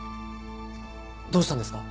どうしたんですか？